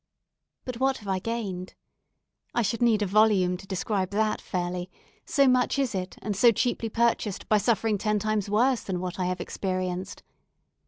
But what have I gained? I should need a volume to describe that fairly; so much is it, and so cheaply purchased by suffering ten times worse than what I have experienced.